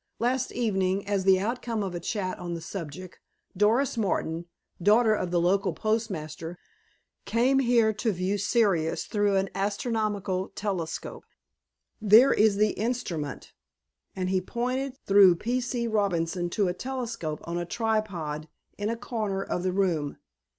Last evening, as the outcome of a chat on the subject, Doris Martin, daughter of the local postmaster, came here to view Sirius through an astronomical telescope. There is the instrument," and he pointed through P. C. Robinson to a telescope on a tripod in a corner of the room.